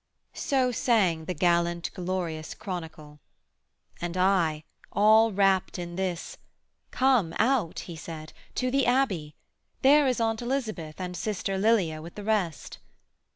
So sang the gallant glorious chronicle; And, I all rapt in this, 'Come out,' he said, 'To the Abbey: there is Aunt Elizabeth And sister Lilia with the rest.'